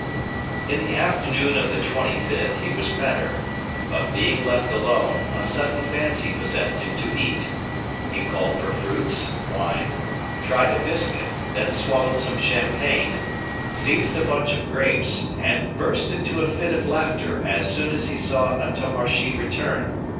In the afternoon of the 25th he was better; but being left alone, a sudden fancy possessed him to eat. He called for fruits, wine, tried a biscuit, then swallowed some champagne, seized a bunch of grapes, and burst into a fit of laughter as soon as he saw Antommarchi return.